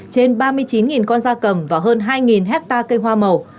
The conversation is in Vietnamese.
trên ba mươi chín con da cầm và hơn hai hectare cây hoa màu